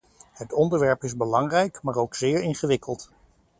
Het onderwerp is belangrijk, maar ook zeer ingewikkeld.